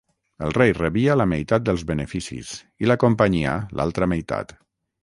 El rei rebia la meitat dels beneficis i la companyia l'altra meitat.